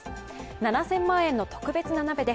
７０００万円の特別な鍋で